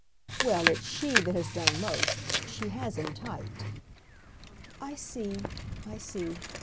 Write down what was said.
"Well, it's she that has done most. She has him tight." "I see, I see.